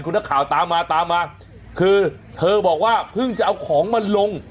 คุณนักข่าวตามมาตามมาคือเธอบอกว่าเพิ่งจะเอาของมาลง